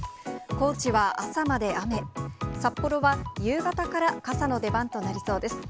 高知は朝まで雨、札幌は夕方から傘の出番となりそうです。